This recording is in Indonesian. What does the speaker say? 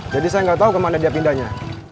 jadi saya gak tau kemana dia pindahnya